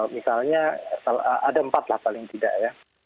misalnya ada empat lah paling tidak ya